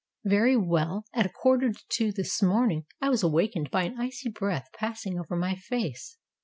"Very well. At a quarter to two this morning I was awakened by an icy breath passing over my face.